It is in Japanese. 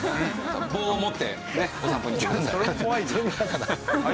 棒を持ってねお散歩に行ってください。